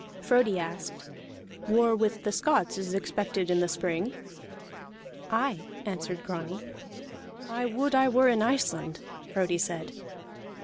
Frodi asked: "War with the Scots is expected in the spring?" "Aye," answered Grani. "I would I were in Iceland!" Frodi said.